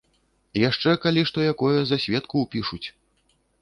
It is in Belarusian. Яшчэ, калі што якое, за сведку ўпішуць.